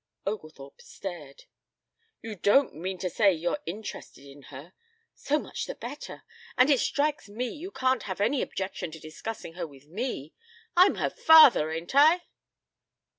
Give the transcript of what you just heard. Oglethorpe stared. "You don't mean to say you're interested in her? So much the better! And it strikes me you can't have any objection to discussing her with me. I'm her father, ain't I?"